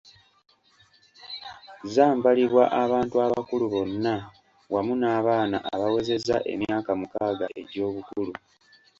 Zambalibwa abantu abakulu bonna wamu n’abaana abawezezza emyaka mukaaga egy’obukulu.